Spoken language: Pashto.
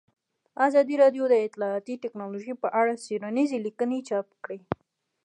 ازادي راډیو د اطلاعاتی تکنالوژي په اړه څېړنیزې لیکنې چاپ کړي.